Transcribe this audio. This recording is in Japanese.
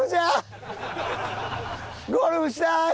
ゴルフしたい！